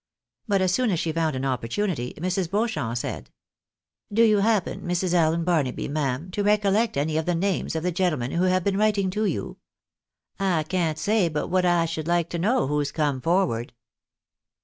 But as soon as she found an opportunity, Mrs. Beau champ said —" Do you happen, Mrs. Allen Barnaby, ma'am, to recollect any of the names of the gentlemen who have been writing to you ? I can't say but what I. should like to know who's come forward."